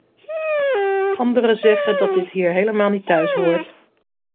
Andere zeggen dat dit hier helemaal niet thuis hoort.